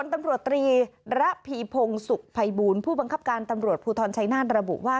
ตำรวจตรีระพีพงศุกร์ภัยบูลผู้บังคับการตำรวจภูทรชัยนาธระบุว่า